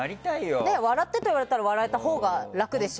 笑ってと言われたら笑えたほうが楽ですし。